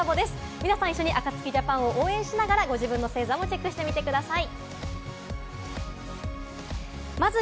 皆さん、一緒にＡＫＡＴＳＵＫＩＪＡＰＡＮを応援しながら、ご自分の星座をチェックしてみてください。